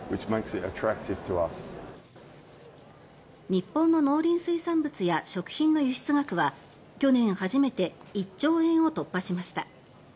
日本の農林水産物や食品の輸出額は去年初めて１兆円を突破しました。